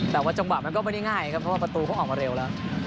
แต่ว่าจังหวะมันก็ไม่ได้ง่ายครับเพราะว่าประตูเขาออกมาเร็วแล้ว